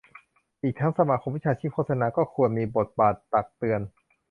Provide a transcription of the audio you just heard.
อีกทั้งสมาคมวิชาชีพโฆษณาก็ควรมีบทบาทตักเตือน